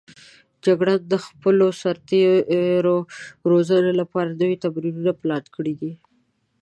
جګړن د خپلو سرتېرو روزنې لپاره نوي تمرینونه پلان کړي دي.